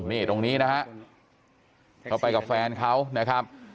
นี่ตรงนี้นะฮะเขาไปกับแฟนเขานะครับ